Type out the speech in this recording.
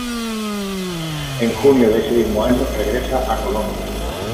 En junio de ese mismo año, regresa a Colón.